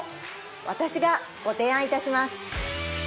私がご提案いたします